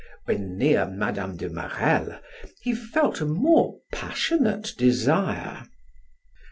When near Mme. de Marelle, he felt a more passionate desire.